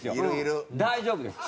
大丈夫です。